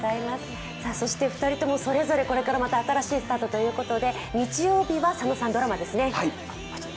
そして２人ともそれぞれこれから新しいスタートということで日曜日は佐野さん、ドラマですね。